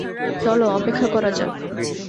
চলো অপেক্ষা করা যাক।